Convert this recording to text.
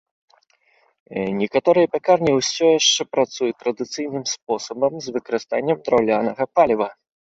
Некаторыя пякарні ўсё яшчэ працуюць традыцыйным спосабам з выкарыстаннем драўнянага паліва.